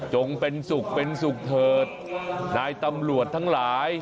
จงเป็นศุกร์เป็นศุกร์เถิดนายตำรวจทั้งหลาย